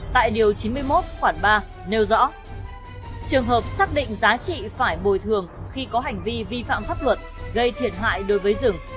tại điều chín mươi một khoản ba nêu rõ trường hợp xác định giá trị phải bồi thường khi có hành vi vi phạm pháp luật gây thiệt hại đối với rừng